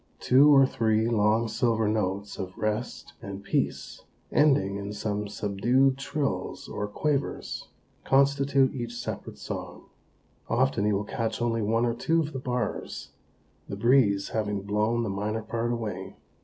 Two or three long, silver notes of rest and peace, ending in some subdued trills or quavers, constitute each separate song. Often you will catch only one or two of the bars, the breeze having blown the minor part away.